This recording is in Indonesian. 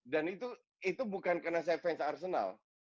dan itu bukan karena saya fans arsenal